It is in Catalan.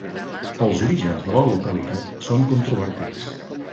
Els orígens de la localitat són controvertits.